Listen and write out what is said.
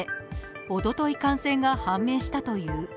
おととい感染が判明したという。